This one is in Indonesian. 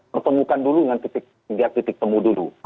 pertemukan dulu dengan tiga titik temu dulu